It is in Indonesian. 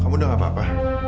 kamu udah gak apa apa